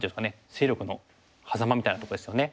勢力のはざまみたいなとこですよね。